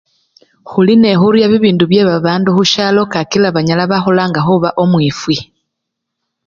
Khulinekhurya bibindu byebabandu khusyalo kakila banyala bakhulanga khuba omwifwi.